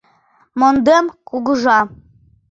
Мондем, Кугыжа!